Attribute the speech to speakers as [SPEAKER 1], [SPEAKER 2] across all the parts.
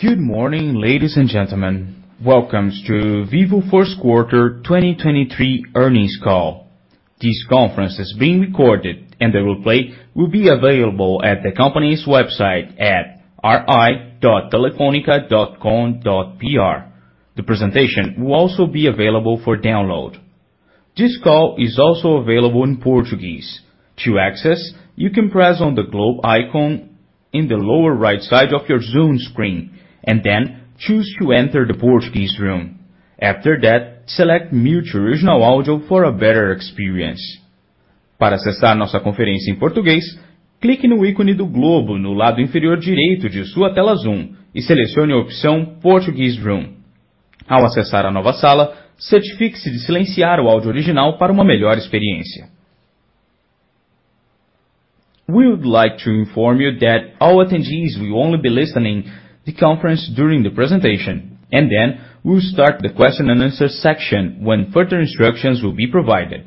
[SPEAKER 1] Good morning, ladies and gentlemen. Welcome to Vivo First Quarter 2023 Earnings Call. This conference is being recorded, and the replay will be available at the company's website at ri.telefonica.com.br. The presentation will also be available for download. This call is also available in Portuguese. To access, you can press on the globe icon in the lower right side of your Zoom screen, and then choose to enter the Portuguese room. After that, select Mute Original Audio for a better experience.
[SPEAKER 2] Para acessar nossa conferência em português, clique no ícone do globo no lado inferior direito de sua tela Zoom e selecione a opção Portuguese Room. Ao acessar a nova sala, certifique-se de silenciar o áudio original para uma melhor experiência.
[SPEAKER 1] We would like to inform you that all attendees will only be listening the conference during the presentation, and then we'll start the question and answer section when further instructions will be provided.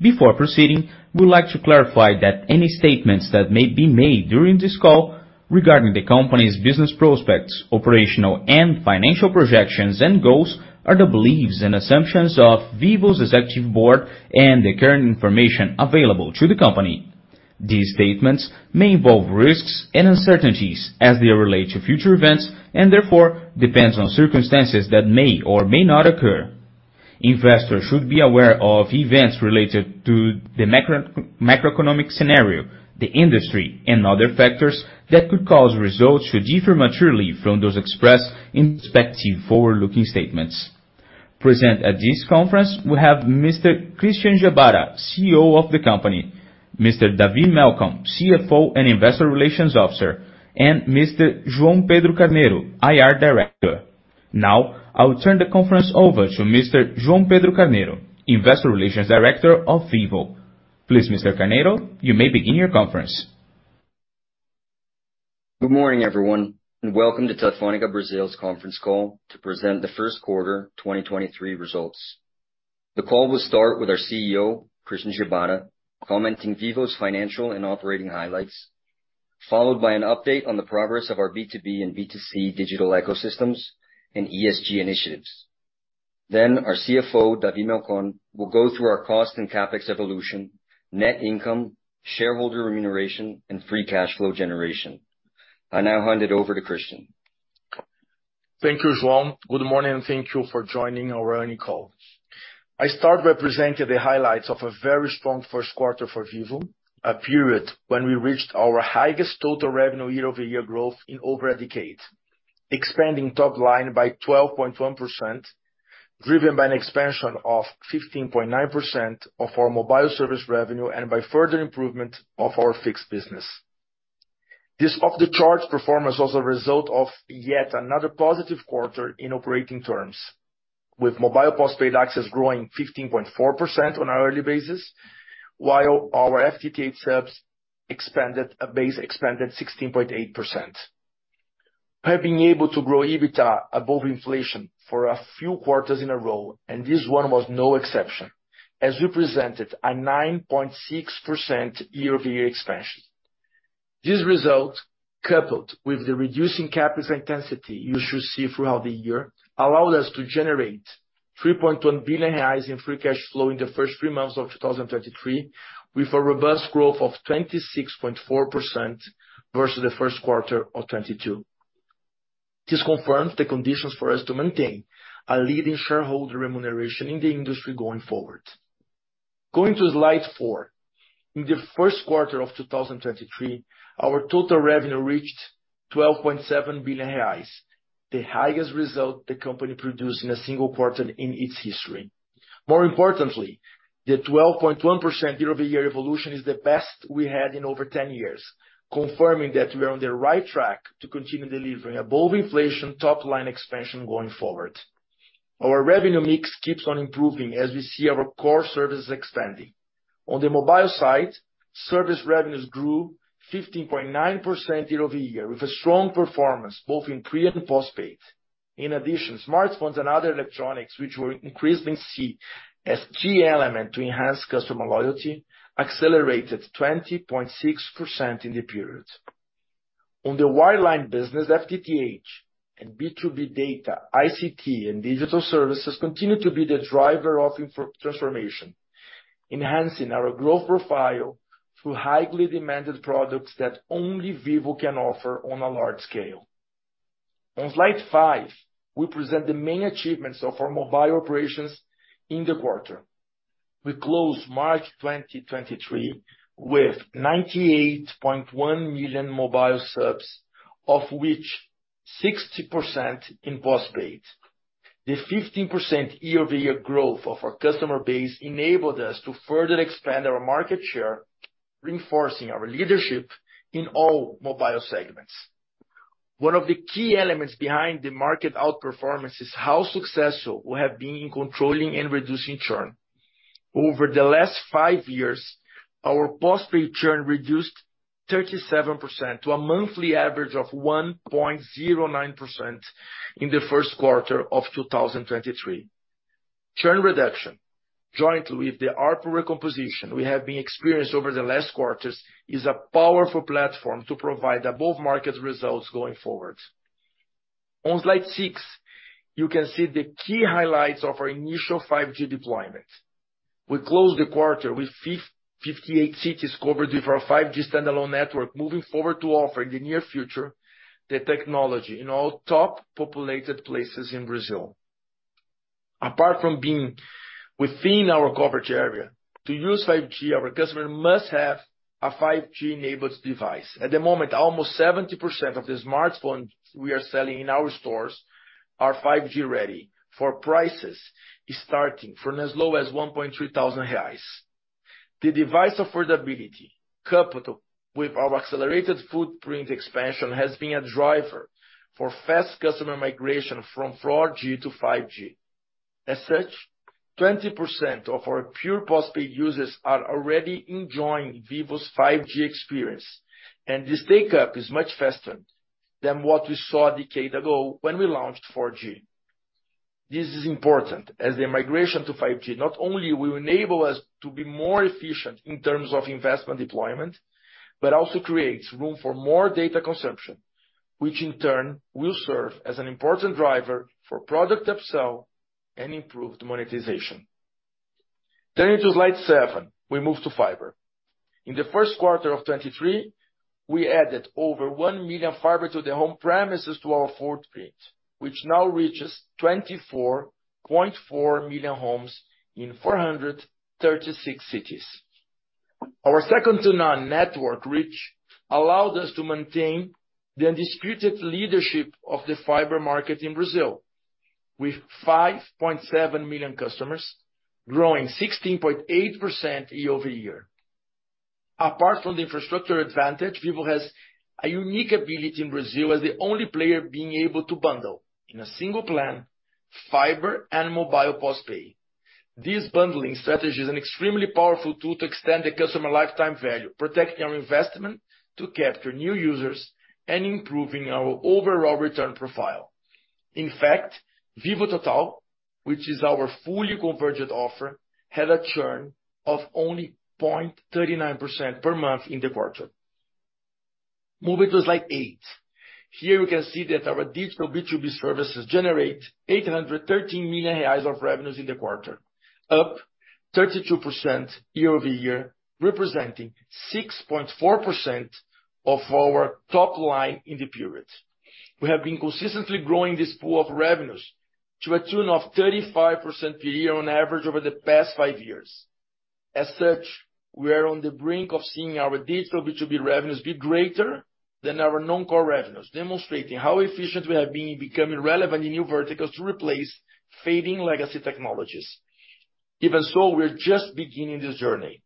[SPEAKER 1] Before proceeding, we would like to clarify that any statements that may be made during this call regarding the company's business prospects, operational and financial projections and goals are the beliefs and assumptions of Vivo's executive board and the current information available to the company. These statements may involve risks and uncertainties as they relate to future events, and therefore depends on circumstances that may or may not occur. Investors should be aware of events related to the macroeconomic scenario, the industry, and other factors that could cause results to differ materially from those expressed in respective forward-looking statements. Present at this conference, we have Mr. Christian Gebara, CEO of the company, Mr. David Melcon, CFO and Investor Relations Officer, and Mr. João Pedro Carneiro, IR Director. I will turn the conference over to Mr. João Pedro Carneiro, Investor Relations Director of Vivo. Please, Mr. Carneiro, you may begin your conference.
[SPEAKER 3] Good morning, everyone, and welcome to Telefônica Brasil's Conference Call to present the first quarter 2023 results. The call will start with our CEO, Christian Gebara, commenting Vivo's financial and operating highlights, followed by an update on the progress of our B2B and B2C digital ecosystems and ESG initiatives. Our CFO, David Melcon, will go through our cost and CapEx evolution, net income, shareholder remuneration, and free cash flow generation. I now hand it over to Christian.
[SPEAKER 4] Thank you, João. Good morning, and thank you for joining our Earnings all. I start representing the highlights of a very strong first quarter for Vivo, a period when we reached our highest total revenue year-over-year growth in over a decade, expanding top line by 12.1%, driven by an expansion of 15.9% of our mobile service revenue and by further improvement of our fixed business. This off the charts performance was a result of yet another positive quarter in operating terms, with mobile postpaid access growing 15.4% on a yearly basis, while our FTTH subs base expanded 16.8%. We have been able to grow EBITDA above inflation for a few quarters in a row, and this one was no exception, as we presented a 9.6% year-over-year expansion. This result, coupled with the reducing CapEx intensity you should see throughout the year, allowed us to generate 3.1 billion reais in free cash flow in the first 3 months of 2023, with a robust growth of 26.4% versus the first quarter of 2022. This confirms the conditions for us to maintain a leading shareholder remuneration in the industry going forward. Going to slide 4. In the first quarter of 2023, our total revenue reached 12.7 billion reais, the highest result the company produced in a single quarter in its history. More importantly, the 12.1% year-over-year evolution is the best we had in over 10 years, confirming that we are on the right track to continue delivering above inflation top-line expansion going forward. Our revenue mix keeps on improving as we see our core services expanding. On the mobile side, service revenues grew 15.9% year-over-year with a strong performance both in pre and postpaid. In addition, smartphones and other electronics, which we're increasingly see as key element to enhance customer loyalty, accelerated 20.6% in the period. On the wireline business, FTTH and B2B data, ICT and digital services continue to be the driver of transformation, enhancing our growth profile through highly demanded products that only Vivo can offer on a large scale. On slide five, we present the main achievements of our mobile operations in the quarter. We closed March 2023 with 98.1 million mobile subs, of which 60% in postpaid. The 15% year-over-year growth of our customer base enabled us to further expand our market share, reinforcing our leadership in all mobile segments. One of the key elements behind the market outperformance is how successful we have been in controlling and reducing churn. Over the last five years, our postpaid churn reduced 37% to a monthly average of 1.09% in the first quarter of 2023. Churn reduction, jointly with the ARPU recomposition we have been experienced over the last quarters, is a powerful platform to provide above-market results going forward. On slide 6, you can see the key highlights of our initial 5G deployment. We closed the quarter with 58 cities covered with our 5G standalone network, moving forward to offer in the near future the technology in all top populated places in Brazil. Apart from being within our coverage area, to use 5G, our customer must have a 5G-enabled device. At the moment, almost 70% of the smartphones we are selling in our stores are 5G ready for prices starting from as low as 1,300 reais. The device affordability, coupled with our accelerated footprint expansion, has been a driver for fast customer migration from 4G to 5G. As such, 20% of our pure postpaid users are already enjoying Vivo's 5G experience, and this take-up is much faster than what we saw a decade ago when we launched 4G. This is important, as the migration to 5G not only will enable us to be more efficient in terms of investment deployment, but also creates room for more data consumption, which in turn will serve as an important driver for product upsell and improved monetization. Turning to slide 7, we move to fiber. In the first quarter of 2023, we added over 1 million fiber to the home premises to our footprint, which now reaches 24.4 million homes in 436 cities. Our second-to-none network reach allowed us to maintain the undisputed leadership of the fiber market in Brazil with 5.7 million customers, growing 16.8% year-over-year. Apart from the infrastructure advantage, Vivo has a unique ability in Brazil as the only player being able to bundle in a single plan, fiber and mobile postpaid. This bundling strategy is an extremely powerful tool to extend the customer lifetime value, protecting our investment to capture new users and improving our overall return profile. In fact, Vivo Total, which is our fully convergent offer, had a churn of only 0.39% per month in the quarter. Moving to slide eight. Here we can see that our digital B2B services generate 813 million reais of revenues in the quarter, up 32% year-over-year, representing 6.4% of our top line in the period. We have been consistently growing this pool of revenues to a tune of 35% per year on average over the past five years. As such, we are on the brink of seeing our digital B2B revenues be greater than our non-core revenues, demonstrating how efficient we have been becoming relevant in new verticals to replace fading legacy technologies. Even so, we're just beginning this journey,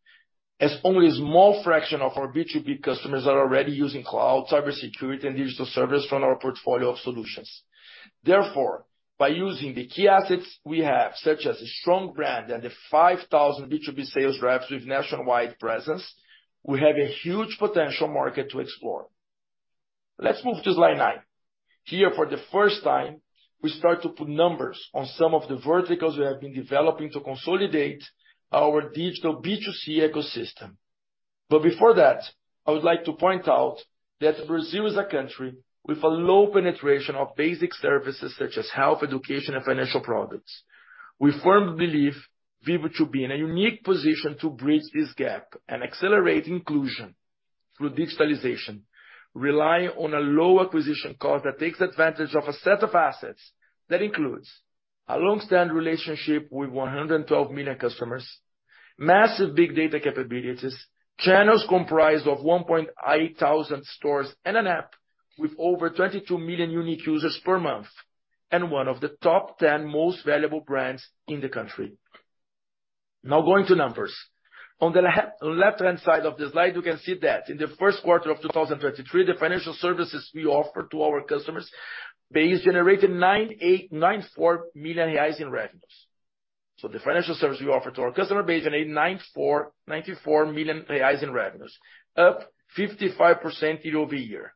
[SPEAKER 4] as only a small fraction of our B2B customers are already using cloud, cybersecurity, and digital service from our portfolio of solutions. By using the key assets we have, such as a strong brand and the 5,000 B2B sales reps with nationwide presence, we have a huge potential market to explore. Let's move to slide 9. Here, for the first time, we start to put numbers on some of the verticals we have been developing to consolidate our digital B2C ecosystem. Before that, I would like to point out that Brazil is a country with a low penetration of basic services such as health, education, and financial products. We firmly believe Vivo should be in a unique position to bridge this gap and accelerate inclusion through digitalization, relying on a low acquisition cost that takes advantage of a set of assets that includes a long-standing relationship with 112 million customers, massive big data capabilities, channels comprised of 1,800 stores and an app with over 22 million unique users per month, and one of the top 10 most valuable brands in the country. Going to numbers. On the left-hand side of the slide, you can see that in the first quarter of 2023, the financial services we offer to our customers base generated 94 million reais in revenues. The financial service we offer to our customer base generated 94 million reais in revenues, up 55% year-over-year.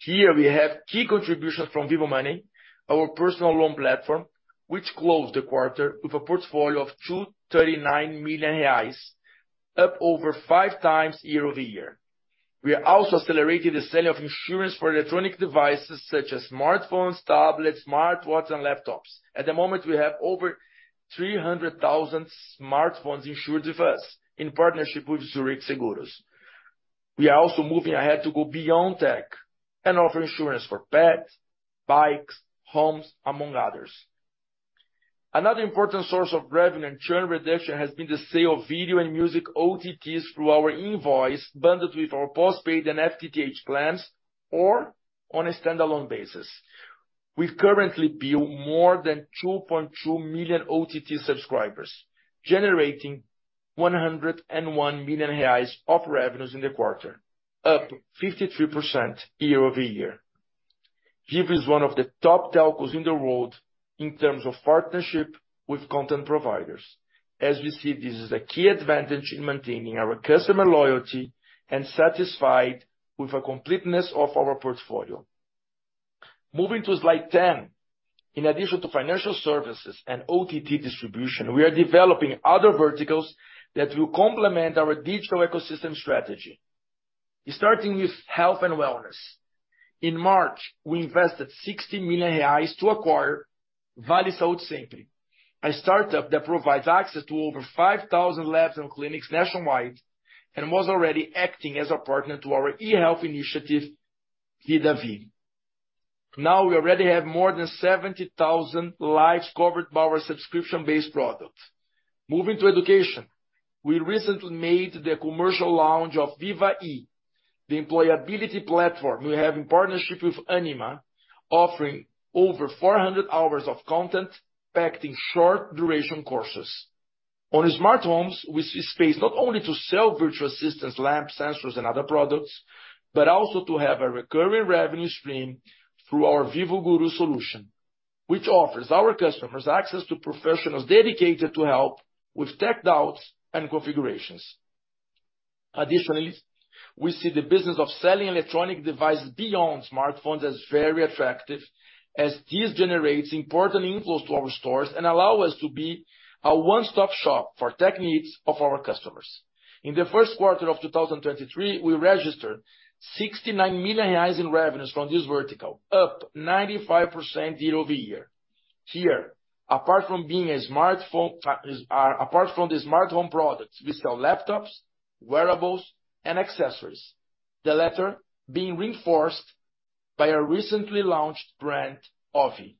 [SPEAKER 4] Here we have key contributions from Vivo Money, our personal loan platform, which closed the quarter with a portfolio of 239 million reais, up over five times year-over-year. We are also accelerating the sale of insurance for electronic devices such as smartphones, tablets, smartwatches, and laptops. At the moment, we have over 300,000 smartphones insured with us in partnership with Zurich Seguros. We are also moving ahead to go beyond tech and offer insurance for pets, bikes, homes, among others. Another important source of revenue and churn reduction has been the sale of video and music OTTs through our invoice, bundled with our postpaid and FTTH plans or on a standalone basis. We currently build more than 2.2 million OTT subscribers, generating 101 million reais of revenues in the quarter, up 53% year-over-year. Vivo is one of the top telcos in the world in terms of partnership with content providers. As we see, this is a key advantage in maintaining our customer loyalty and satisfied with the completeness of our portfolio. Moving to slide 10. In addition to financial services and OTT distribution, we are developing other verticals that will complement our digital ecosystem strategy. Starting with health and wellness. In March, we invested 60 million reais to acquire Vale Saúde Sempre, a startup that provides access to over 5,000 labs and clinics nationwide, and was already acting as a partner to our eHealth initiative, Vida V. We already have more than 70,000 lives covered by our subscription-based products. Moving to education. We recently made the commercial launch of Viva E, the employability platform we have in partnership with Ânima, offering over 400 hours of content packed in short duration courses. On smart homes, we see space not only to sell virtual assistants, lamps, sensors and other products, but also to have a recurring revenue stream through our Vivo Guru solution, which offers our customers access to professionals dedicated to help with tech doubts and configurations. We see the business of selling electronic devices beyond smartphones as very attractive as this generates important inflows to our stores and allow us to be a one-stop shop for tech needs of our customers. In the first quarter of 2023, we registered 69 million reais in revenues from this vertical, up 95% year-over-year. Here, apart from the smartphone products, we sell laptops, wearables, and accessories, the latter being reinforced by our recently launched brand, Ovi.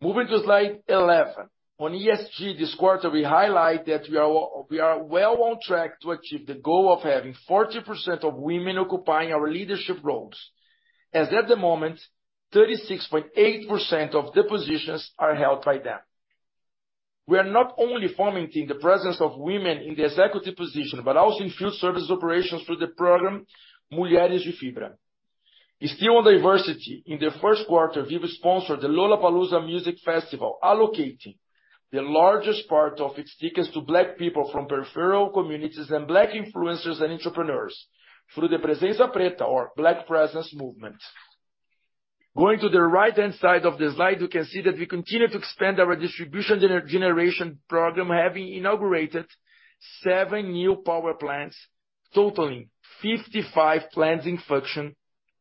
[SPEAKER 4] Moving to slide 11. On ESG this quarter, we highlight that we are well on track to achieve the goal of having 40% of women occupying our leadership roles, as at the moment, 36.8% of the positions are held by them. We are not only fomenting the presence of women in the executive position, but also in field service operations through the program Mulheres de Fibra. Still on diversity, in the first quarter, Vivo sponsored the Lollapalooza Music Festival, allocating the largest part of its tickets to Black people from peripheral communities and Black influencers and entrepreneurs through the Presença Preta or Black Presence movement. Going to the right-hand side of the slide, you can see that we continue to expand our distribution generation program, having inaugurated seven new power plants, totaling 55 plants in function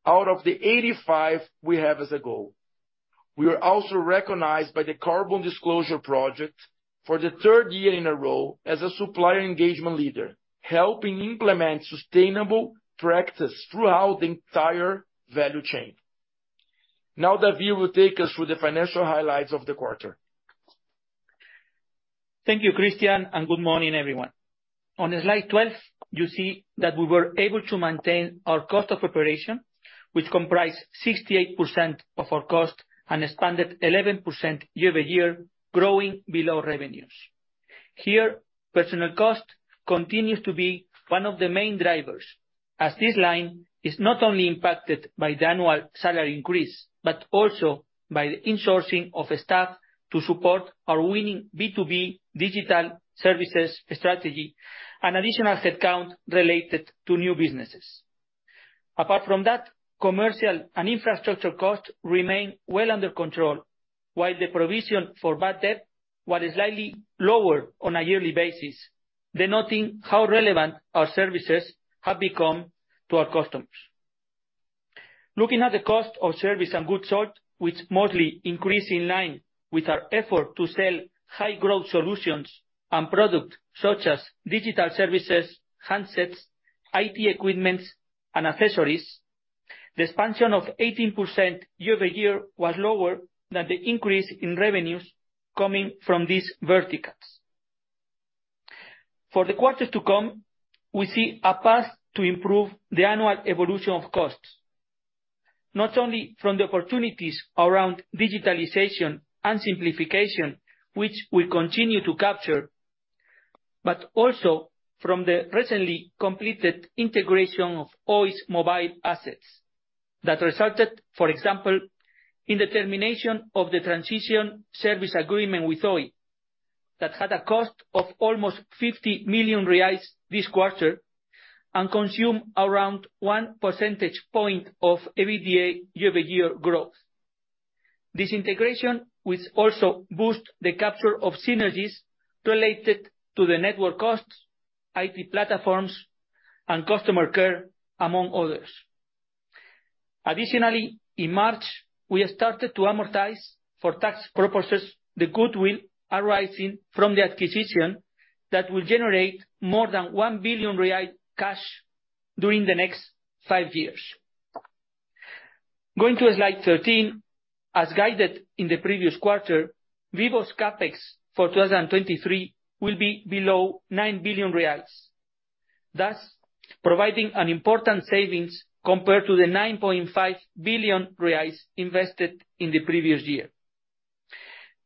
[SPEAKER 4] out of the 85 we have as a goal. We are also recognized by the Carbon Disclosure Project for the 3rd year in a row as a supplier engagement leader, helping implement sustainable practice throughout the entire value chain. Davi will take us through the financial highlights of the quarter.
[SPEAKER 5] Thank you, Christian, and good morning, everyone. On slide 12, you see that we were able to maintain our cost of operation, which comprised 68% of our cost and expanded 11% year-over-year, growing below revenues. Here, personal cost continues to be one of the main drivers, as this line is not only impacted by the annual salary increase, but also by the insourcing of staff to support our winning B2B digital services strategy and additional headcount related to new businesses. Apart from that, commercial and infrastructure costs remain well under control, while the provision for bad debt was slightly lower on a yearly basis, denoting how relevant our services have become to our customers. Looking at the cost of service and goods sold, which mostly increase in line with our effort to sell high growth solutions and products such as digital services, handsets, IT equipments, and accessories, the expansion of 18% year-over-year was lower than the increase in revenues coming from these verticals. For the quarters to come, we see a path to improve the annual evolution of costs, not only from the opportunities around digitalization and simplification, which we continue to capture, but also from the recently completed integration of Oi's mobile assets that resulted, for example, in the termination of the transition service agreement with Oi that had a cost of almost 50 million reais this quarter and consume around 1 percentage point of EBITDA year-over-year growth. This integration will also boost the capture of synergies related to the network costs, IT platforms, and customer care, among others. In March, we started to amortize for tax purposes the goodwill arising from the acquisition that will generate more than 1 billion real cash during the next five years. Slide 13. As guided in the previous quarter, Vivo's CapEx for 2023 will be below 9 billion reais, thus providing an important savings compared to the 9.5 billion reais invested in the previous year.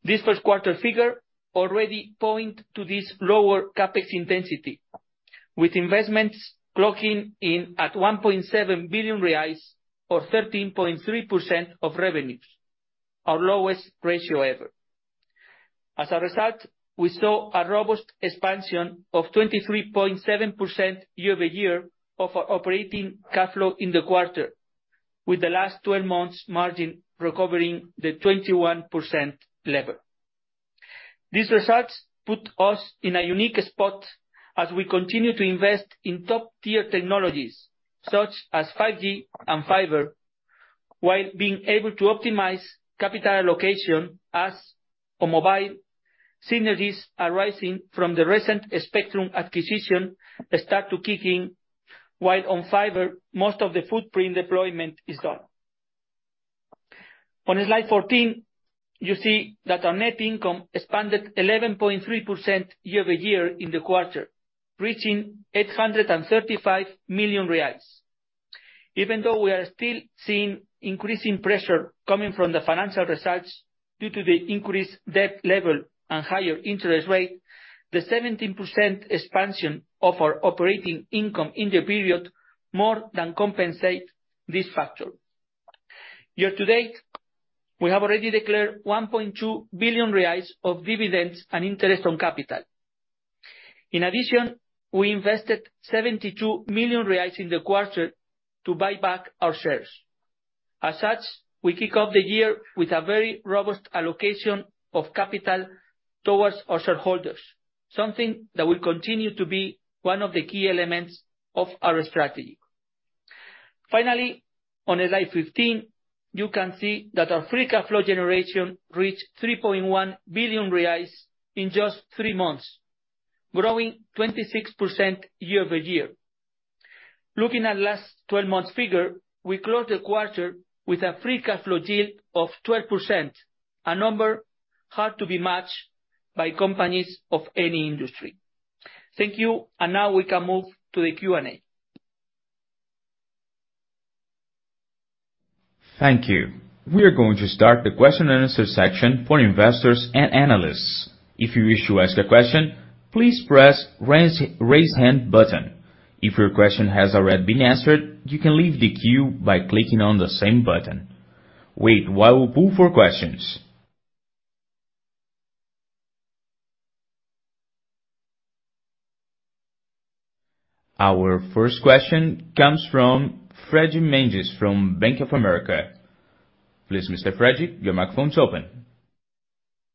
[SPEAKER 5] This first quarter figure already point to this lower CapEx intensity, with investments clocking in at 1.7 billion reais or 13.3% of revenues, our lowest ratio ever. As a result, we saw a robust expansion of 23.7% year-over-year of our operating cash flow in the quarter, with the last 12 months margin recovering the 21% level. These results put us in a unique spot as we continue to invest in top-tier technologies, such as 5G and fiber, while being able to optimize capital allocation as on mobile synergies arising from the recent spectrum acquisition start to kick in, while on fiber, most of the footprint deployment is done. On slide 14, you see that our net income expanded 11.3% year-over-year in the quarter, reaching 835 million reais. Even though we are still seeing increasing pressure coming from the financial results due to the increased debt level and higher interest rate, the 17% expansion of our operating income in the period more than compensate this factor. Year-to-date, we have already declared 1.2 billion reais of dividends and interest on capital. We invested 72 million reais in the quarter to buy back our shares. We kick off the year with a very robust allocation of capital towards our shareholders, something that will continue to be one of the key elements of our strategy. On slide 15, you can see that our free cash flow generation reached 3.1 billion reais in just 3 months, growing 26% year-over-year. Looking at last 12 months figure, we closed the quarter with a free cash flow yield of 12%, a number hard to be matched by companies of any industry. Thank you. Now we can move to the Q&A.
[SPEAKER 1] Thank you. We are going to start the question and answer section for investors and analysts. If you wish to ask a question, please press raise hand button. If your question has already been answered, you can leave the queue by clicking on the same button. Wait while we pull for questions. Our first question comes from Fred Mendes from Bank of America. Please, Mr. Freddy, your microphone is open.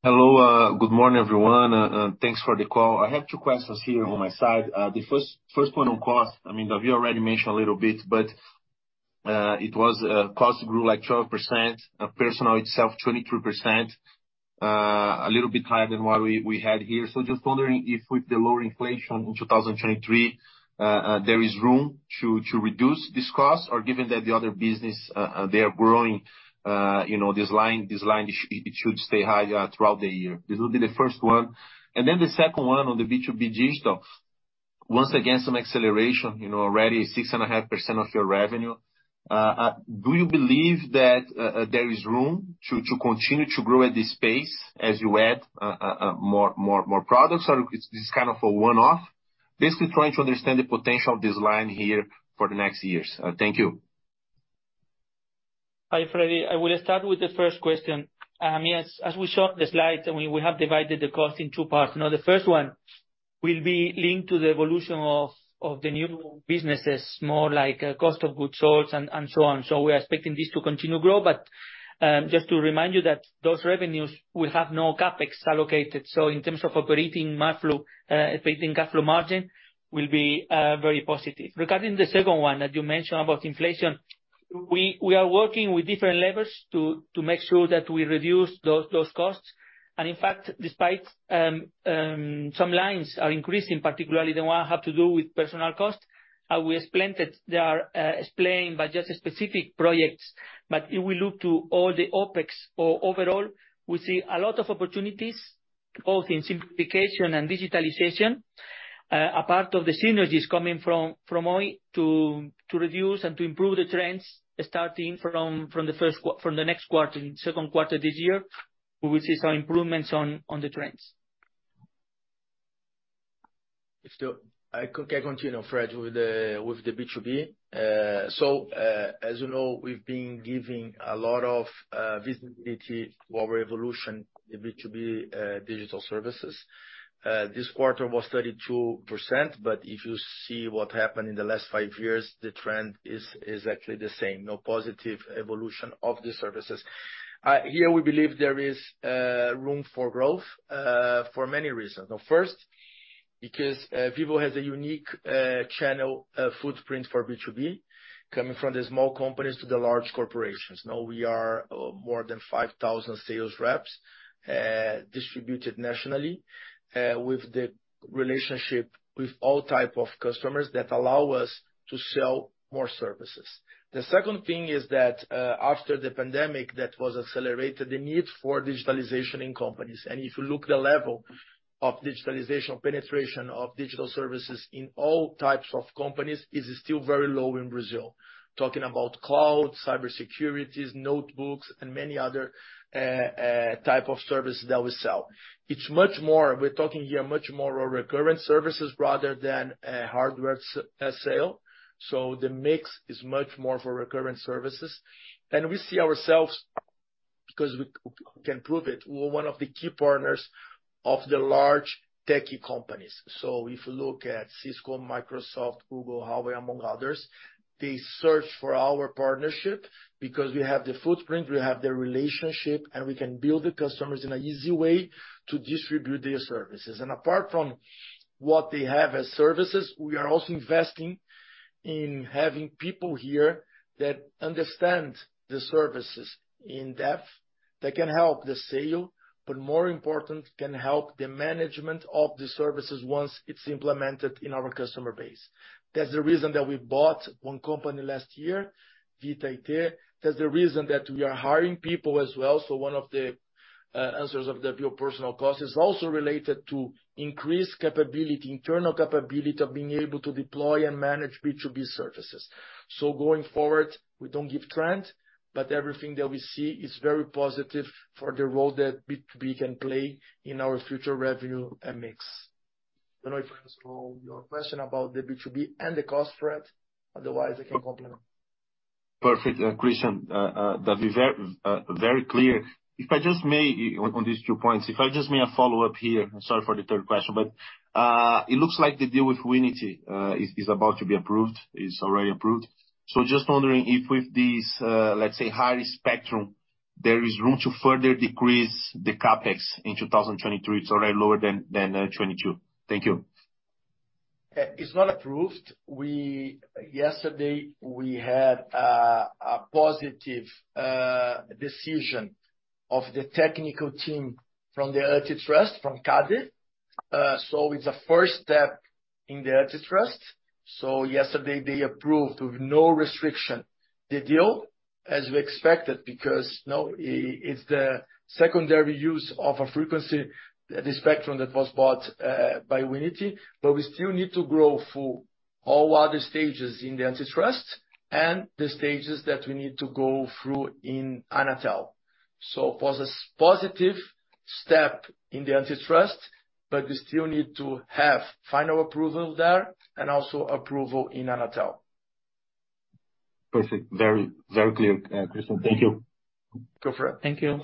[SPEAKER 6] Hello. Good morning, everyone, thanks for the call. I have two questions here on my side. The first one on cost. I mean, you already mentioned a little bit, but it was, cost grew, like, 12%, personnel itself 23%. A little bit higher than what we had here. Just wondering if with the lower inflation in 2023, there is room to reduce this cost or given that the other business, they are growing, you know, this line should stay high throughout the year. This will be the first one. The second one on the B2B digital. Once again, some acceleration, you know, already 6.5% of your revenue. Do you believe that there is room to continue to grow at this pace as you add more products? Or it's just kind of a one-off? Basically trying to understand the potential of this line here for the next years. Thank you.
[SPEAKER 5] Hi, Freddy. I will start with the first question. Yes, as we showed the slides, we have divided the cost in two parts. Now, the first one will be linked to the evolution of the new businesses, more like cost of goods sold and so on. We are expecting this to continue grow. Just to remind you that those revenues will have no CapEx allocated. In terms of operating margin, operating cash flow margin will be very positive. Regarding the second one that you mentioned about inflation, we are working with different levers to make sure that we reduce those costs. In fact, despite some lines are increasing, particularly the one have to do with personal cost, we explained it. They are explained by just specific projects. If we look to all the OpEx or overall, we see a lot of opportunities both in simplification and digitalization. A part of the synergies coming from Oi to reduce and to improve the trends, starting from the next quarter, second quarter this year, we will see some improvements on the trends.
[SPEAKER 3] If the- I continue, Freddy, with the B2B. As you know, we've been giving a lot of visibility to our evolution in B2B digital services. This quarter was 32%, if you see what happened in the last five years, the trend is exactly the same. No positive evolution of the services. Here we believe there is room for growth for many reasons. First, because Vivo has a unique channel footprint for B2B, coming from the small companies to the large corporations. We are more than 5,000 sales reps distributed nationally with the relationship with all type of customers that allow us to sell more services. The second thing is that after the pandemic, that was accelerated the need for digitalization in companies.
[SPEAKER 4] If you look the level of digitalization, penetration of digital services in all types of companies, is still very low in Brazil. Talking about cloud, cybersecurity, notebooks, and many other type of services that we sell. We're talking here much more recurrent services rather than a hardware sale. The mix is much more for recurrent services. We see ourselves We can prove it. We're one of the key partners of the large techie companies. If you look at Cisco, Microsoft, Google, Huawei, among others, they search for our partnership because we have the footprint, we have the relationship, and we can build the customers in an easy way to distribute their services. Apart from what they have as services, we are also investing in having people here that understand the services in depth, that can help the sale, but more important, can help the management of the services once it's implemented in our customer base. That's the reason that we bought one company last year, Vita IT. That's the reason that we are hiring people as well. One of the answers of the pure personal cost is also related to increased capability, internal capability of being able to deploy and manage B2B services. Going forward, we don't give trend, but everything that we see is very positive for the role that B2B can play in our future revenue and mix. Don't know if João, your question about the B2B and the cost for it, otherwise I can complement.
[SPEAKER 6] Perfect, Christian. That be very clear. If I just may, on these two points, if I just may a follow-up here. Sorry for the third question, but it looks like the deal with Winity is about to be approved. It's already approved. Just wondering if with this, let's say, higher spectrum, there is room to further decrease the CapEx in 2023. It's already lower than 22. Thank you.
[SPEAKER 4] It's not approved. Yesterday, we had a positive decision of the technical team from the antitrust, from CADE. It's a first step in the antitrust. Yesterday, they approved with no restriction the deal, as we expected, because now it's the secondary use of a frequency, the spectrum that was bought by Winity. We still need to grow through all other stages in the antitrust and the stages that we need to go through in Anatel. It was a positive step in the antitrust, but we still need to have final approval there and also approval in Anatel.
[SPEAKER 6] Perfect. Very clear, Christian. Thank you.
[SPEAKER 4] Go for it.
[SPEAKER 1] Thank you.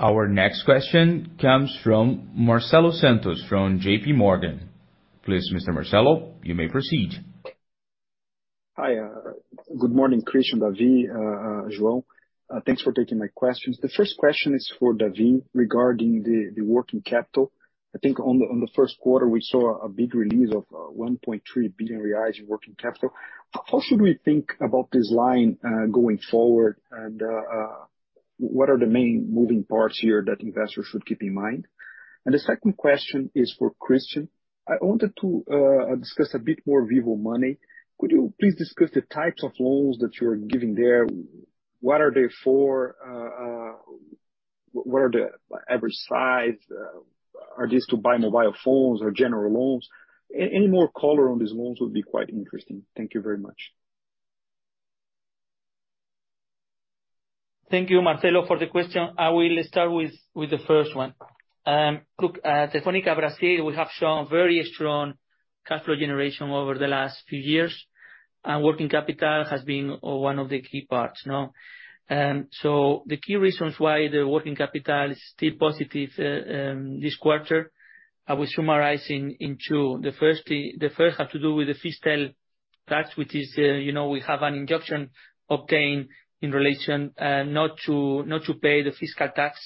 [SPEAKER 1] Our next question comes from Marcelo Santos from JP Morgan. Please, Mr. Marcelo, you may proceed.
[SPEAKER 7] Hi. Good morning, Christian, David, João. Thanks for taking my questions. The first question is for David regarding the working capital. I think on the first quarter, we saw a big release of 1.3 billion reais in working capital. How should we think about this line going forward and what are the main moving parts here that investors should keep in mind? And the second question is for Christian. I wanted to discuss a bit more Vivo Money. Could you please discuss the types of loans that you're giving there? What are they for? What are the average size? Are these to buy mobile phones or general loans? Any more color on these loans would be quite interesting. Thank you very much.
[SPEAKER 5] Thank you, Marcelo, for the question. I will start with the first one. Look, at Telefônica Brasil, we have shown very strong capital generation over the last few years, and working capital has been one of the key parts, no? The key reasons why the working capital is still positive this quarter, I will summarize in two. The first has to do with the FISTEL tax, which is, you know, we have an injunction obtained in relation not to pay the FISTEL tax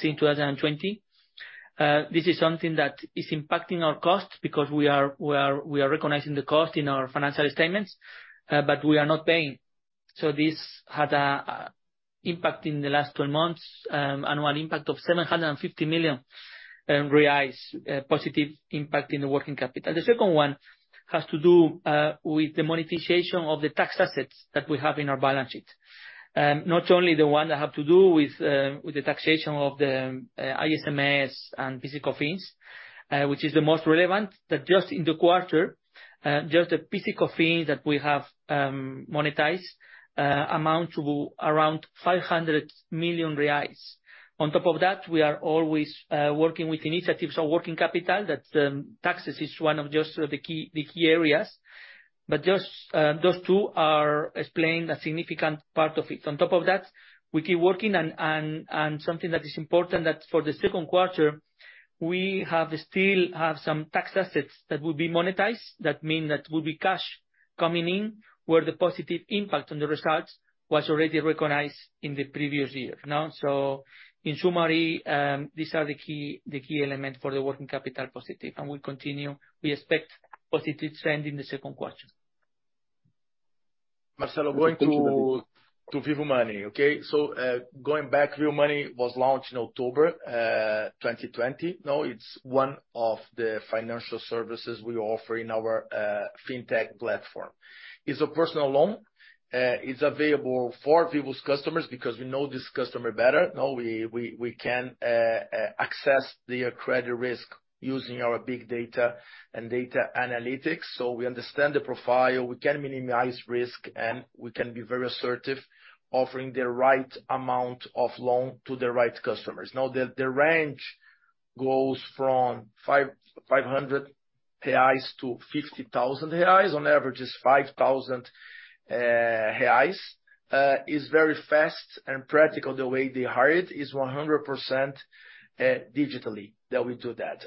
[SPEAKER 5] since 2020. This is something that is impacting our costs because we are recognizing the cost in our financial statements, we are not paying. This had a impact in the last 12 months, annual impact of 750 million reais, positive impact in the working capital. The second one has to do with the monetization of the tax assets that we have in our balance sheet. Not only the one that have to do with the taxation of the ISMS and physical fees, which is the most relevant. That just in the quarter, just the physical fees that we have monetized, amount to around 500 million reais. On top of that, we are always working with initiatives on working capital, that taxes is one of just the key areas. Just, those two are explaining a significant part of it. On top of that, we keep working and something that is important that for the second quarter, we still have some tax assets that will be monetized. That mean that will be cash coming in, where the positive impact on the results was already recognized in the previous year, no? In summary, these are the key element for the working capital positive, and we continue. We expect positive trend in the second quarter.
[SPEAKER 4] Marcelo.
[SPEAKER 7] Thank you, David.
[SPEAKER 4] To Vivo Money, okay. Going back, Vivo Money was launched in October 2020, no. It's one of the financial services we offer in our fintech platform. It's a personal loan. It's available for Vivo's customers because we know this customer better. Now we can access their credit risk using our big data and data analytics. We understand the profile, we can minimize risk, and we can be very assertive offering the right amount of loan to the right customers. Now, the range goes from 500-50,000 reais. On average is 5,000 reais. Is very fast and practical the way they hire it. Is 100% digitally that we do that.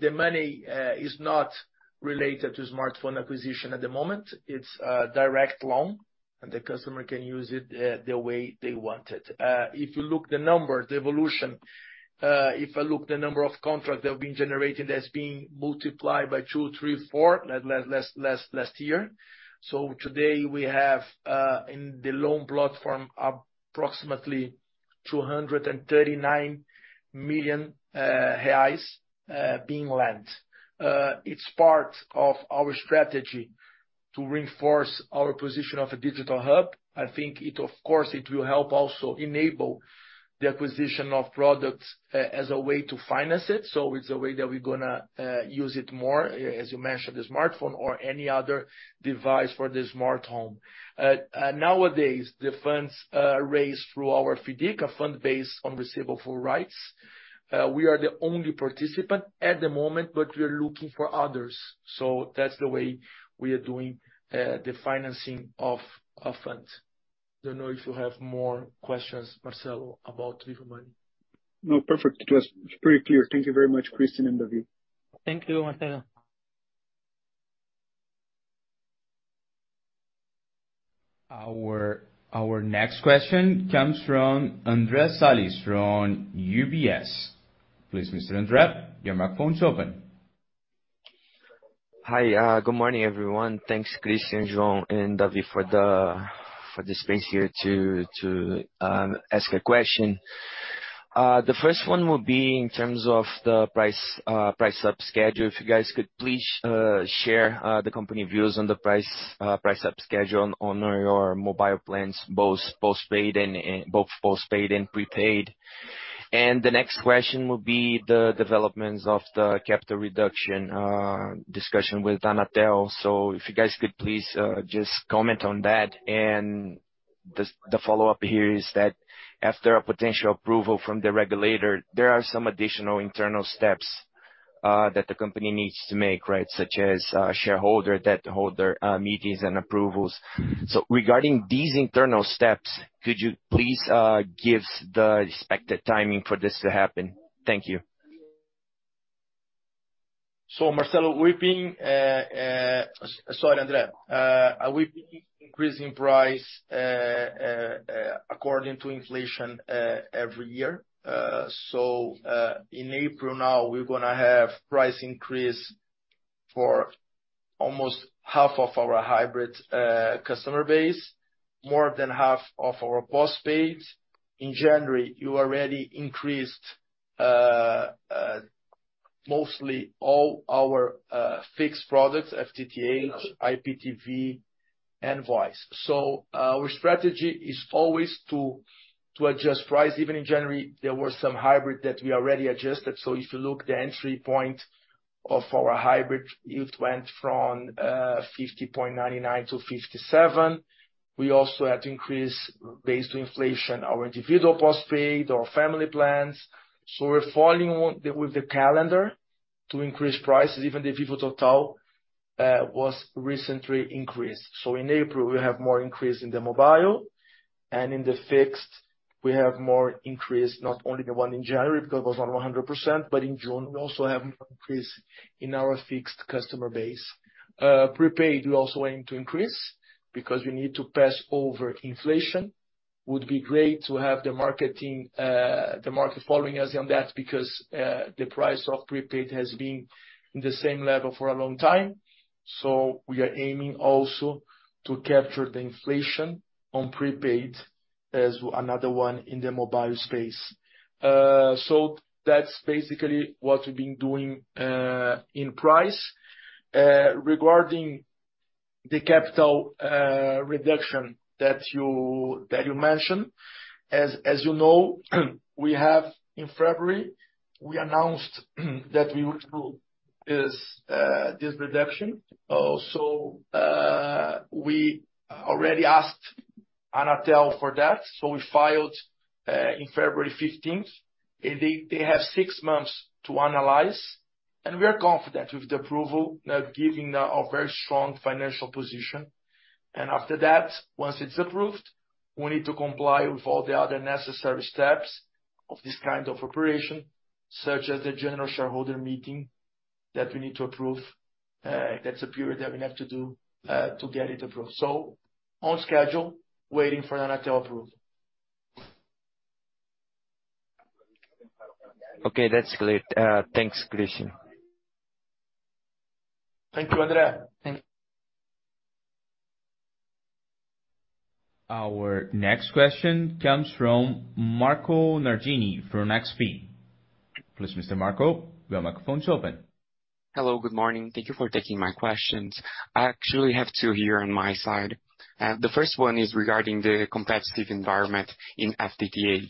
[SPEAKER 4] The money is not related to smartphone acquisition at the moment. It's a direct loan the customer can use it the way they want it. If you look the number, the evolution. If I look the number of contracts that have been generated, that's been multiplied by 2, 3, 4 last year. Today we have in the loan platform, approximately 239 million reais being lent. It's part of our strategy to reinforce our position of a digital hub. I think it, of course, it will help also enable the acquisition of products as a way to finance it. It's a way that we're gonna use it more, as you mentioned, the smartphone or any other device for the smart home. Nowadays, the funds raised through our FIDC fund based on receivable rights, we are the only participant at the moment, but we are looking for others. That's the way we are doing the financing of funds. Don't know if you have more questions, Marcelo, about Vivo Money.
[SPEAKER 7] Perfect. It was pretty clear. Thank you very much, Christian and David.
[SPEAKER 4] Thank you, Marcelo.
[SPEAKER 1] Our next question comes from André Salles, from UBS. Please, Mr. André, your microphone is open.
[SPEAKER 8] Hi, good morning, everyone. Thanks Christian, João, and David for the space here to ask a question. The first one will be in terms of the price sub schedule. If you guys could please share the company views on the price sub schedule on your mobile plans, both postpaid and prepaid. The next question will be the developments of the capital reduction discussion with Anatel. If you guys could please just comment on that. The follow-up here is that after a potential approval from the regulator, there are some additional internal steps that the company needs to make, right? Such as shareholder, debtholder, meetings and approvals. Regarding these internal steps, could you please give the expected timing for this to happen? Thank you.
[SPEAKER 4] Marcelo, we've been Sorry, André Salles. We've been increasing price according to inflation every year. In April now, we're gonna have price increase for almost half of our hybrid customer base, more than half of our postpaid. In January, you already increased mostly all our fixed products, FTTH, IPTV, and Voice. Our strategy is always to adjust price. Even in January, there were some hybrid that we already adjusted. If you look the entry point of our hybrid, it went from 50.99 to 57. We also had to increase, based on inflation, our individual postpaid, our family plans. We're following with the calendar to increase prices. Even the Vivo Total was recently increased. In April, we have more increase in the mobile. In the fixed, we have more increase, not only the one in January, because it was 100%, but in June we also have increase in our fixed customer base. Prepaid, we also aim to increase because we need to pass over inflation. Would be great to have the marketing, the market following us on that because the price of prepaid has been in the same level for a long time. We are aiming also to capture the inflation on prepaid as another one in the mobile space. That's basically what we've been doing in price. Regarding the capital reduction that you mentioned, as you know, we have in February, we announced that we would do this reduction. Also, we already asked Anatel for that. We filed in February 15th. They have six months to analyze. We are confident with the approval, giving our very strong financial position. After that, once it's approved, we need to comply with all the other necessary steps of this kind of operation, such as the general shareholder meeting that we need to approve. That's a period that we have to do to get it approved. On schedule, waiting for Anatel approval.
[SPEAKER 8] Okay, that's clear. Thanks, Christian.
[SPEAKER 4] Thank you, André.
[SPEAKER 8] Thank you.
[SPEAKER 1] Our next question comes from Marco Nardini from XP. Please, Mr. Marco, your microphone is open.
[SPEAKER 9] Hello, good morning. Thank you for taking my questions. I actually have two here on my side. The first one is regarding the competitive environment in FTTH.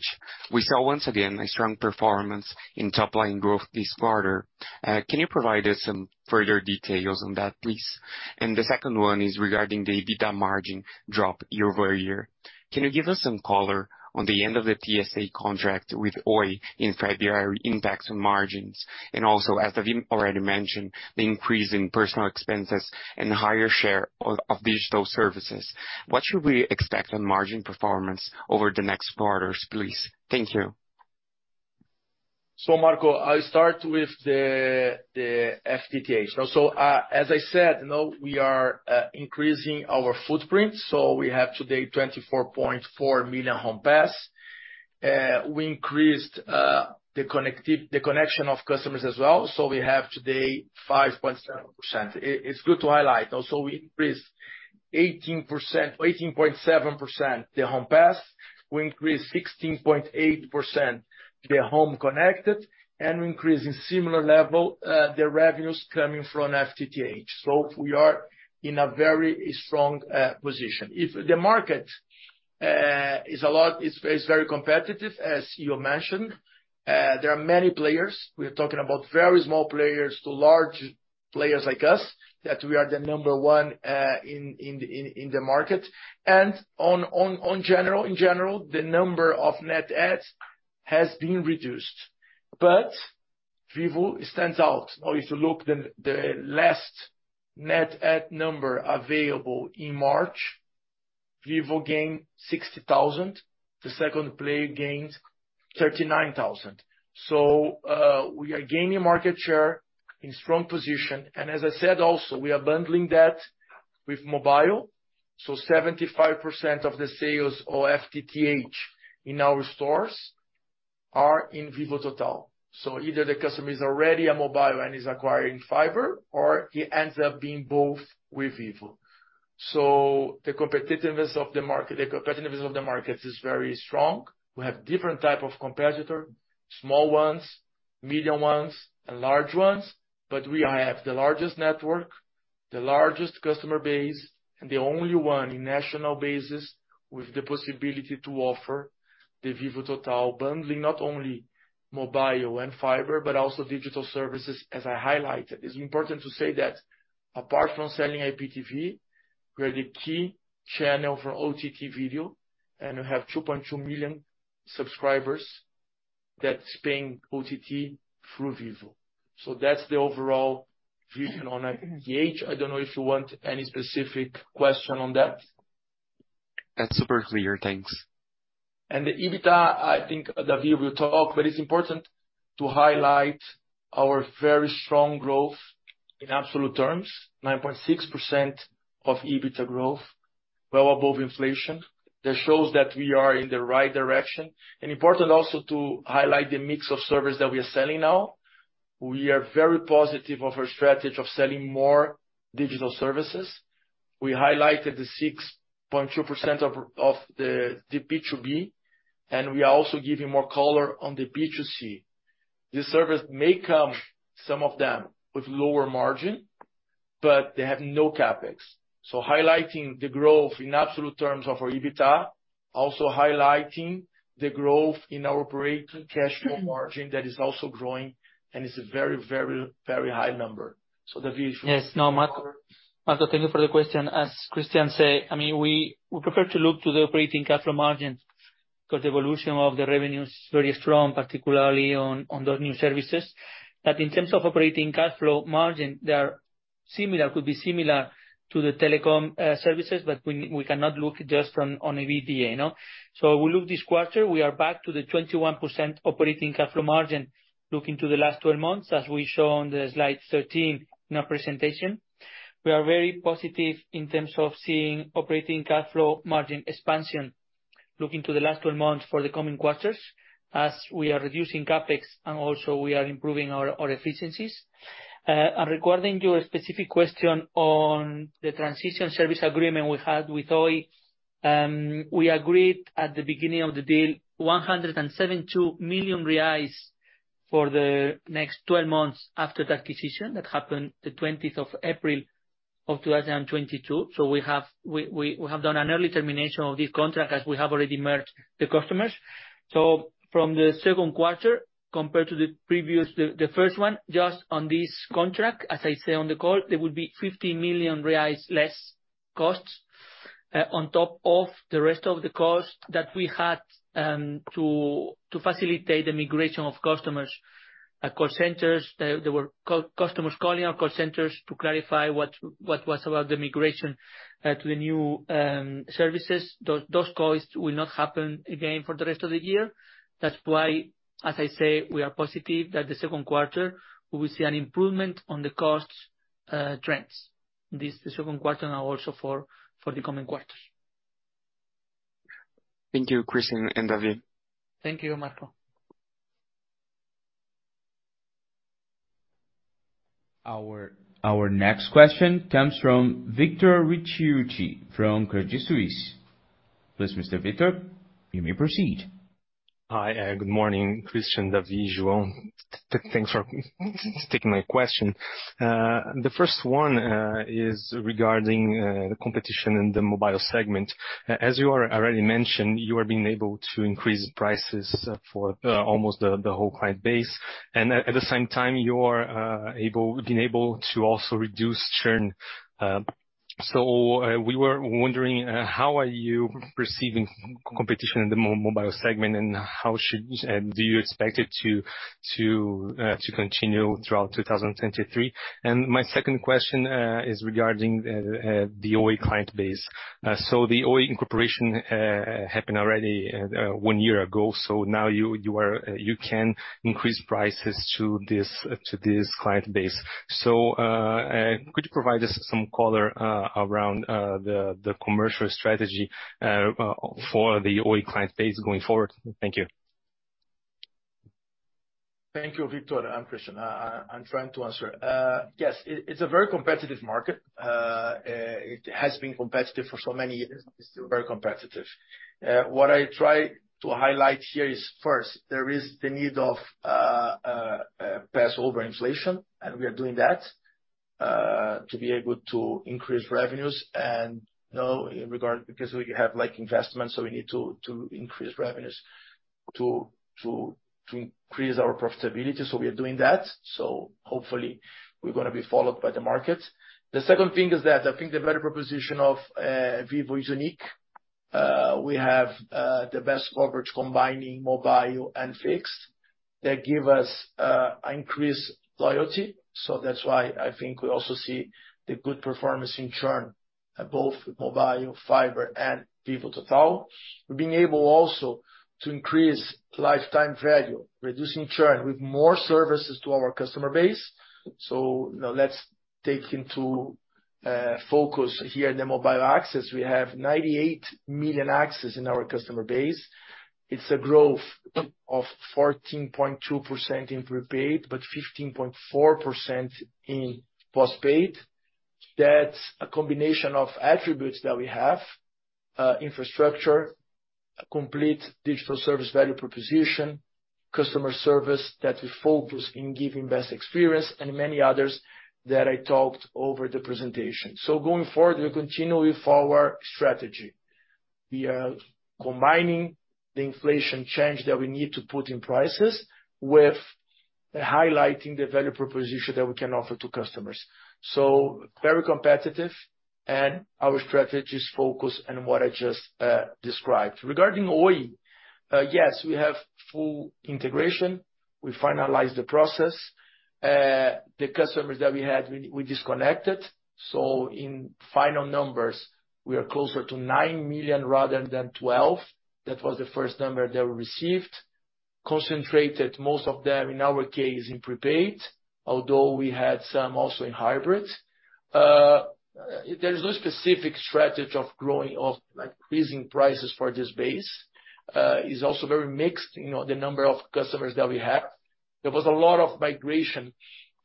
[SPEAKER 9] We saw once again a strong performance in top-line growth this quarter. Can you provide us some further details on that, please? The second one is regarding the EBITDA margin drop year-over-year. Can you give us some color on the end of the TSA contract with Oi in February impacts on margins? Also, as David already mentioned, the increase in personal expenses and higher share of digital services. What should we expect on margin performance over the next quarters, please? Thank you.
[SPEAKER 4] Marco, I start with the FTTH. As I said, you know, we are increasing our footprint. We have today 24.4 million home pass. We increased the connection of customers as well. We have today 5.7%. It's good to highlight also, we increased 18.7% the home pass. We increased 16.8% the home connected, and we increase in similar level the revenues coming from FTTH. We are in a very strong position. If the market is a lot, it's very competitive, as you mentioned. There are many players. We're talking about very small players to large players like us, that we are the number one in the market. In general, the number of net adds has been reduced. Vivo stands out. Now, if you look the last net add number available in March, Vivo gained 60,000. The second player gained 39,000. We are gaining market share in strong position, and as I said also, we are bundling that with mobile. 75% of the sales or FTTH in our stores are in Vivo Total. Either the customer is already a mobile and is acquiring fiber, or he ends up being both with Vivo. The competitiveness of the markets is very strong. We have different type of competitor, small ones, medium ones, and large ones, but we have the largest network, the largest customer base, and the only one in national basis with the possibility to offer the Vivo Total bundling, not only mobile and fiber, but also digital services, as I highlighted. It's important to say that apart from selling IPTV, we are the key channel for OTT video, and we have 2.2 million subscribers that's paying OTT through Vivo. That's the overall vision on FTTH. I don't know if you want any specific question on that.
[SPEAKER 9] That's super clear. Thanks.
[SPEAKER 4] The EBITDA, I think Davi will talk, it's important to highlight our very strong growth in absolute terms, 9.6% of EBITDA growth, well above inflation. That shows that we are in the right direction. Important also to highlight the mix of service that we are selling now. We are very positive of our strategy of selling more digital services. We highlighted the 6.2% of the B2B, we are also giving more color on the B2C. These service may come, some of them, with lower margin, they have no CapEx. Highlighting the growth in absolute terms of our EBITDA, also highlighting the growth in our operating cash flow margin that is also growing and is a very high number. Davi.
[SPEAKER 5] Marco. Marco, thank you for the question. As Christian say, I mean, we prefer to look to the operating cash flow margin because the evolution of the revenue is very strong, particularly on the new services. In terms of operating cash flow margin, they are similar, could be similar to the telecom services, but we cannot look just from, on EBITDA, you know. We look this quarter, we are back to the 21% operating cash flow margin, looking to the last 12 months, as we show on the slide 13 in our presentation. We are very positive in terms of seeing operating cash flow margin expansion, looking to the last 12 months for the coming quarters, as we are reducing CapEx and also we are improving our efficiencies. Regarding your specific question on the transition service agreement we had with Oi, we agreed at the beginning of the deal 172 million reais for the next 12 months after the acquisition. That happened the 20th of April of 2022. We have done an early termination of this contract as we have already merged the customers. From the second quarter compared to the previous, the first one, just on this contract, as I say on the call, there will be 50 million reais less costs on top of the rest of the costs that we had to facilitate the migration of customers at call centers. There were customers calling our call centers to clarify what was about the migration to the new services. Those costs will not happen again for the rest of the year. That's why, as I say, we are positive that the second quarter we will see an improvement on the costs trends, this second quarter now also for the coming quarters.
[SPEAKER 9] Thank you, Christian and Davi.
[SPEAKER 5] Thank you, Marco.
[SPEAKER 1] Our next question comes from Victor Ricciuti from Credit Suisse. Please, Mr. Victor, you may proceed.
[SPEAKER 10] Hi, good morning, Christian, Davi, João. Thanks for taking my question. The first one is regarding the competition in the mobile segment. As you are already mentioned, you are being able to increase prices for almost the whole client base. At the same time, you are able, being able to also reduce churn. We were wondering how are you receiving competition in the mobile segment, and how should do you expect it to continue throughout 2023? My second question is regarding the Oi client base. The Oi incorporation happened already one year ago, now you can increase prices to this client base. Could you provide us some color around the commercial strategy for the Oi client base going forward? Thank you.
[SPEAKER 4] Thank you, Victor. I'm Christian. I'm trying to answer. Yes, it's a very competitive market. It has been competitive for so many years. It's still very competitive. What I try to highlight here is, first, there is the need of pass over inflation, and we are doing that to be able to increase revenues and now in regard because we have like investment, we need to increase revenues to increase our profitability. We are doing that. Hopefully we're gonna be followed by the market. The second thing is that I think the value proposition of Vivo is unique. We have the best coverage combining mobile and fixed that give us increased loyalty. That's why I think we also see the good performance in churn at both mobile, fiber, and Vivo Total. We're being able also to increase lifetime value, reducing churn with more services to our customer base. Now let's take into focus here the mobile access. We have 98 million access in our customer base. It's a growth of 14.2% in prepaid, but 15.4% in postpaid. That's a combination of attributes that we have, infrastructure, a complete digital service value proposition, customer service that we focus in giving best experience and many others that I talked over the presentation. Going forward, we continue with our strategy. We are combining the inflation change that we need to put in prices with highlighting the value proposition that we can offer to customers. Very competitive and our strategy is focused on what I just described. Regarding Oi, yes, we have full integration. We finalized the process. The customers that we had, we disconnected. In final numbers, we are closer to 9 million rather than 12 million. That was the first number that we received. Concentrated most of them, in our case, in prepaid, although we had some also in hybrid. There is no specific strategy of like increasing prices for this base. It's also very mixed, you know, the number of customers that we have. There was a lot of migration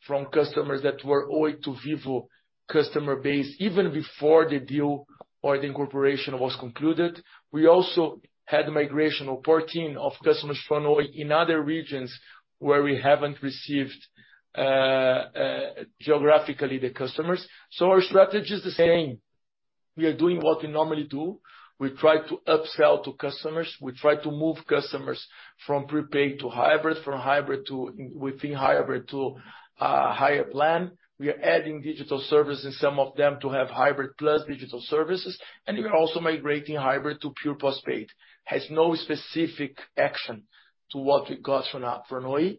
[SPEAKER 4] from customers that were Oi to Vivo customer base even before the deal or the incorporation was concluded. We also had migration of 14 of customers from Oi in other regions where we haven't received geographically the customers. Our strategy is the same. We are doing what we normally do. We try to upsell to customers. We try to move customers from prepaid to hybrid, from hybrid to within hybrid to higher plan. We are adding digital services, some of them to have hybrid plus digital services. We are also migrating hybrid to pure postpaid. Has no specific action to what we got from Oi,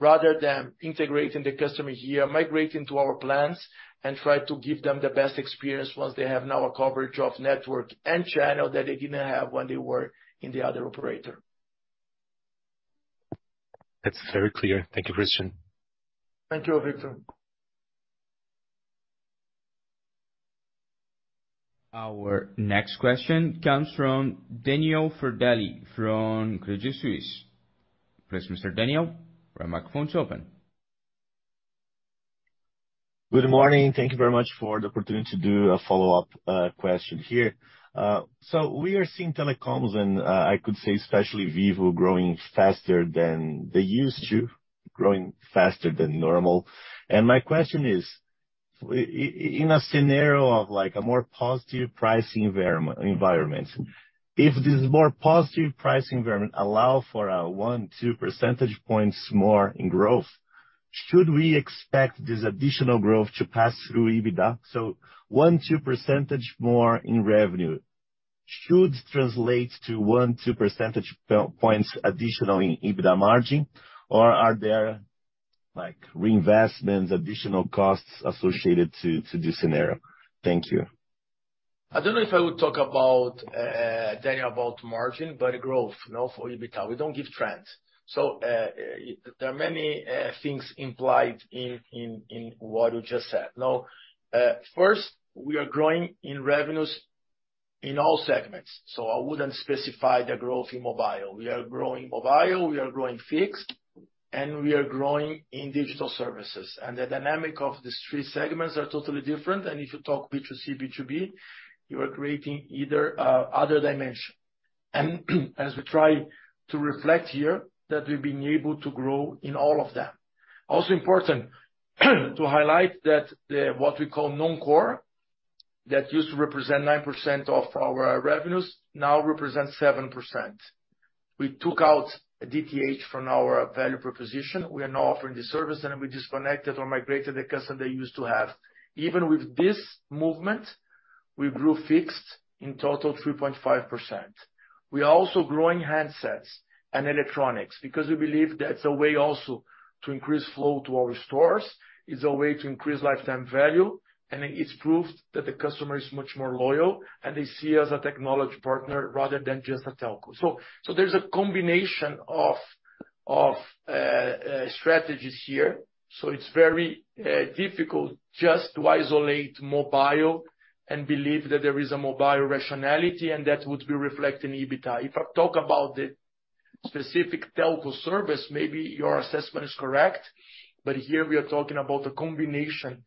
[SPEAKER 4] rather than integrating the customer here, migrating to our plans, and try to give them the best experience once they have now a coverage of network and channel that they didn't have when they were in the other operator.
[SPEAKER 11] That's very clear. Thank you, Christian.
[SPEAKER 4] Thank you, Victor.
[SPEAKER 1] Our next question comes from Daniel Federle from Credit Suisse. Please, Mr. Daniel, your microphone is open.
[SPEAKER 12] Good morning. Thank you very much for the opportunity to do a follow-up question here. We are seeing telecoms, and I could say especially Vivo, growing faster than they used to, growing faster than normal. My question is, in a scenario of like a more positive pricing environment, if this more positive pricing environment allow for a 1, 2 percentage points more in growth, should we expect this additional growth to pass through EBITDA? 1, 2% more in revenue should translate to 1, 2 percentage points additional in EBITDA margin, or are there, like, reinvestments, additional costs associated to this scenario? Thank you.
[SPEAKER 4] I don't know if I would talk about Daniel, about margin, but growth, you know, for EBITDA. We don't give trends. There are many things implied in what you just said. First, we are growing in revenues in all segments, so I wouldn't specify the growth in mobile. We are growing mobile, we are growing fixed, and we are growing in digital services. The dynamic of these three segments are totally different. If you talk B2C, B2B, you are creating either other dimension. As we try to reflect here, that we've been able to grow in all of them. Also important to highlight that what we call non-core, that used to represent 9% of our revenues, now represents 7%. We took out DTH from our value proposition. We are now offering the service. We disconnected or migrated the customer they used to have. Even with this movement, we grew fixed in total 3.5%. We are also growing handsets and electronics because we believe that's a way also to increase flow to our stores, is a way to increase lifetime value. It's proved that the customer is much more loyal, and they see us a technology partner rather than just a telco. There's a combination of strategies here. It's very difficult just to isolate mobile and believe that there is a mobile rationality, and that would be reflected in EBITDA. If I talk about the specific telco service, maybe your assessment is correct, but here we are talking about the combination of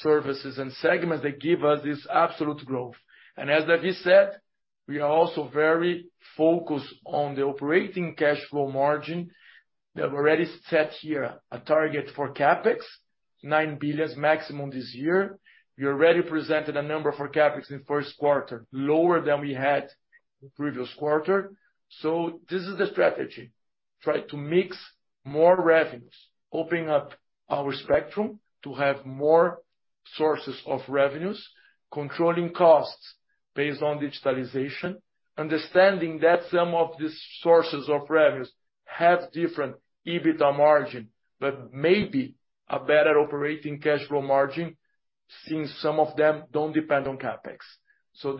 [SPEAKER 4] services and segments that give us this absolute growth. As David said, we are also very focused on the operating cash flow margin that we already set here. A target for CapEx, 9 billion maximum this year. We already presented a number for CapEx in first quarter, lower than we had the previous quarter. This is the strategy. Try to mix more revenues, opening up our spectrum to have more sources of revenues, controlling costs based on digitalization, understanding that some of these sources of revenues have different EBITDA margin, but maybe a better operating cash flow margin, since some of them don't depend on CapEx.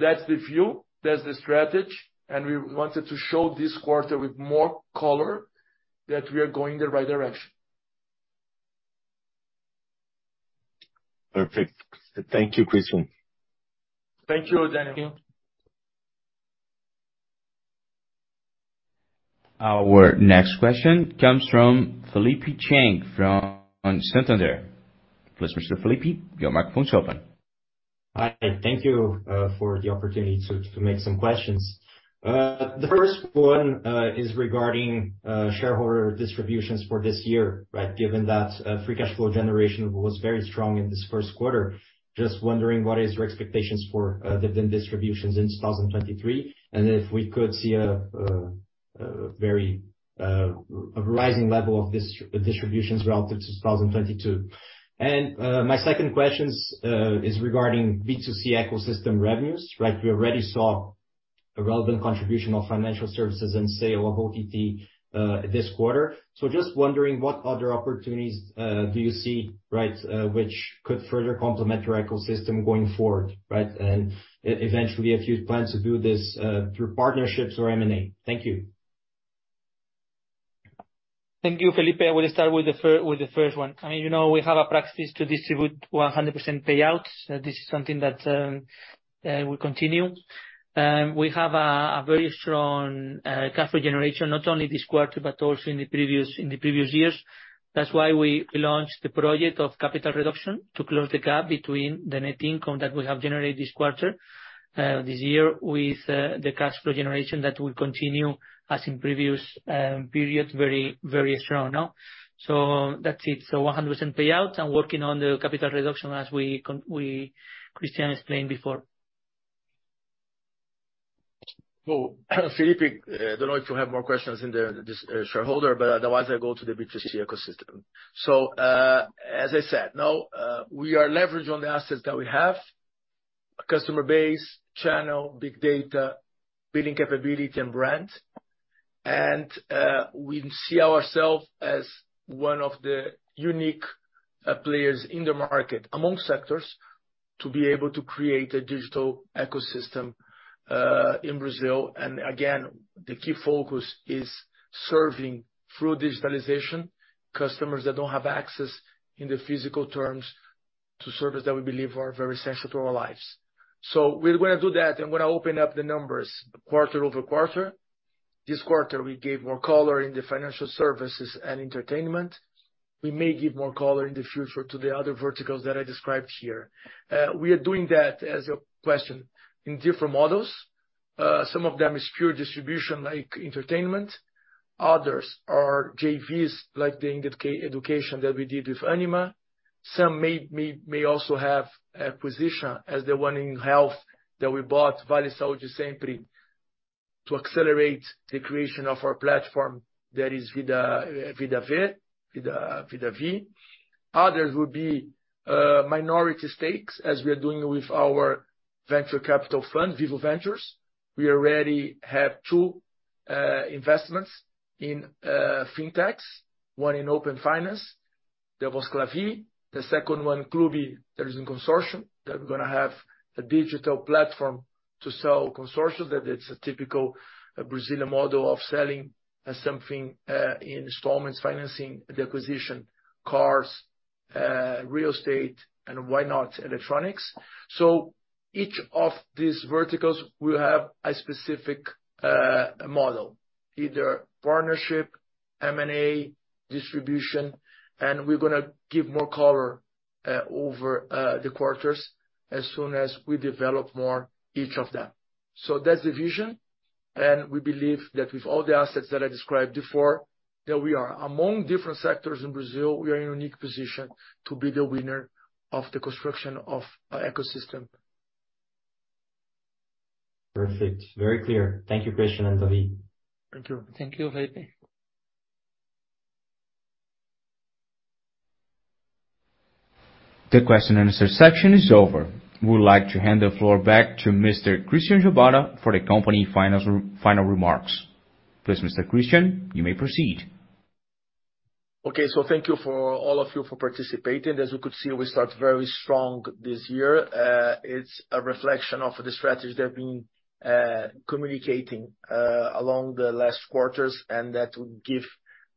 [SPEAKER 4] That's the view, that's the strategy. We wanted to show this quarter with more color that we are going the right direction.
[SPEAKER 1] Perfect. Thank you, Christian.
[SPEAKER 4] Thank you, Daniel.
[SPEAKER 1] Our next question comes from Felipe Cheng from Santander. Please, Mr. Felipe, your microphone is open.
[SPEAKER 13] Hi, thank you for the opportunity to make some questions. The first one is regarding shareholder distributions for this year, right? Given that free cash flow generation was very strong in this first quarter. Just wondering, what is your expectations for dividend distributions in 2023, and if we could see a very a rising level of distributions relative to 2022. My second questions is regarding B2C ecosystem revenues, right? We already saw a relevant contribution of financial services and sale of OTT this quarter. Just wondering what other opportunities do you see, right, which could further complement your ecosystem going forward, right? Eventually, if you plan to do this through partnerships or M&A. Thank you.
[SPEAKER 5] Thank you, Felipe. I will start with the first one. I mean, you know, we have a practice to distribute 100% payouts. This is something that will continue. We have a very strong cash flow generation, not only this quarter, but also in the previous years. That's why we launched the project of capital reduction to close the gap between the net income that we have generated this quarter, this year with the cash flow generation that will continue as in previous periods very, very strong. No? That's it. 100% payouts. I'm working on the capital reduction as Christian explained before.
[SPEAKER 4] Felipe, I don't know if you have more questions in the, this, shareholder, but otherwise I go to the B2C ecosystem. As I said, now, we are leveraging on the assets that we have. A customer base, channel, big data, billing capability and brand. We see ourself as one of the unique players in the market among sectors to be able to create a digital ecosystem in Brazil. Again, the key focus is serving through digitalization customers that don't have access in the physical terms to service that we believe are very essential to our lives. We're gonna do that, and we're gonna open up the numbers quarter-over-quarter. This quarter, we gave more color in the financial services and entertainment. We may give more color in the future to the other verticals that I described here. We are doing that, as you question, in different models. Some of them is pure distribution like entertainment. Others are JVs, like the education that we did with Ânima. Some may also have acquisition as the one in health that we bought, Vale Saúde Sempre, to accelerate the creation of our platform, that is Vida V. Others will be minority stakes, as we are doing with our venture capital fund, Vivo Ventures. We already have two investments in fintechs, one in Open Finance, Klavi. The second one, Klubi, that is in consortium, that we're gonna have a digital platform to sell consortium, that it's a typical Brazilian model of selling something in installments, financing the acquisition, cars, real estate, and why not electronics. Each of these verticals will have a specific model, either partnership, M&A, distribution. We're gonna give more color over the quarters as soon as we develop more each of them. That's the vision. We believe that with all the assets that I described before, that we are among different sectors in Brazil, we are in a unique position to be the winner of the construction of our ecosystem.
[SPEAKER 1] Perfect. Very clear. Thank you, Christian and David.
[SPEAKER 4] Thank you.
[SPEAKER 5] Thank you, Felipe.
[SPEAKER 1] The question and answer section is over. We would like to hand the floor back to Mr. Christian Gebara for the company finals final remarks. Please, Mr. Christian, you may proceed.
[SPEAKER 4] Okay. Thank you for all of you for participating. As you could see, we start very strong this year. It's a reflection of the strategy that I've been communicating along the last quarters, and that will give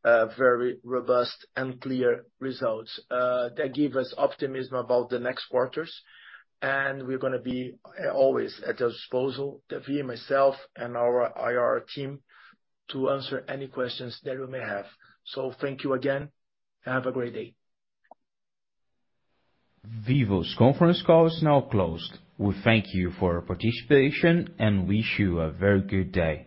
[SPEAKER 4] very robust and clear results that give us optimism about the next quarters. We're gonna be always at your disposal, David, myself and our IR team, to answer any questions that you may have. Thank you again, and have a great day.
[SPEAKER 1] Vivo's conference call is now closed. We thank you for your participation and wish you a very good day.